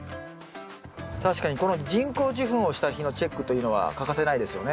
確かにこの人工授粉をした日のチェックというのは欠かせないですよね。